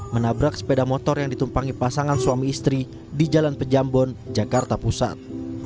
menabrak sepeda motor yang ditumpangi pasangan suami istri di jalan pejambon jakarta pusat